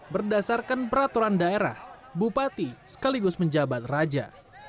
berdasarkan peraturan daerah bupati sekaligus menjabat raja